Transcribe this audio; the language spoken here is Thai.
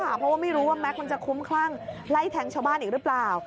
เพราะว่าไม่รู้ว่าแก๊กมันจะคุ้มคลั่งไล่แทงชาวบ้านอีกหรือเปล่า